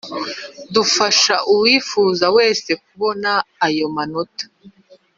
dufasha uwifuza wese kubona ayo manota